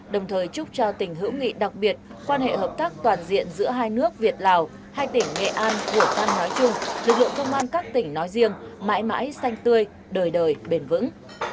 đồng thời chúc cho tỉnh hữu nghị đặc biệt quan hệ hợp tác toàn diện giữa hai nước việt lào hai tỉnh nghệ an hủa than nói chung lực lượng công an các tỉnh nói riêng mãi mãi xanh tươi đời đời bền vững